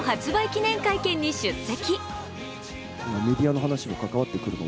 記念会見に出席。